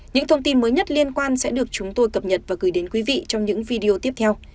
những thông tin mới nhất liên quan sẽ được chúng tôi cập nhật và gửi đến quý vị trong những video tiếp theo